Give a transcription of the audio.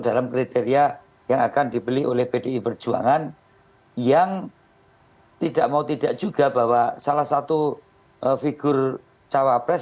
dalam kriteria yang akan dibeli oleh pdi perjuangan yang tidak mau tidak juga bahwa salah satu figur cawapres